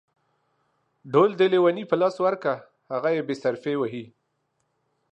ډول د ليوني په لاس ورکه ، هغه يې بې صرفي وهي.